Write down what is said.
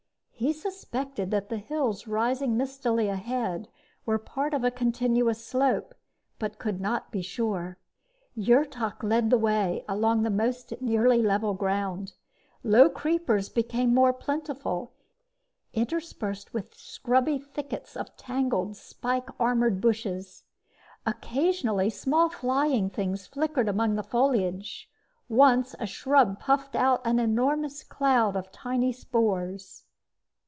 He suspected that the hills rising mistily ahead were part of a continuous slope, but could not be sure. Yrtok led the way along the most nearly level ground. Low creepers became more plentiful, interspersed with scrubby thickets of tangled, spike armored bushes. Occasionally, small flying things flickered among the foliage. Once, a shrub puffed out an enormous cloud of tiny spores.